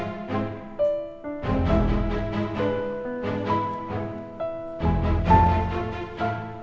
gue mau tidur sama dia lagi